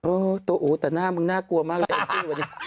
ตัวอู๋แต่หน้ามึงน่ากลัวมากเลยเองจี้วันนี้